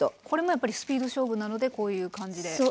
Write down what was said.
これもやっぱりスピード勝負なのでこういう感じで。